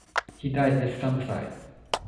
He died at Summerside.